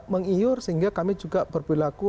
mengiur sehingga kami juga berperilaku